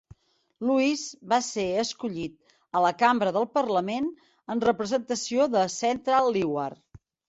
Louis va ser escollit a la cambra del parlament en representació de Central Leeward.